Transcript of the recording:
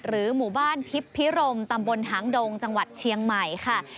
หมู่บ้านทิพย์พิรมตำบลหางดงจังหวัดเชียงใหม่ค่ะ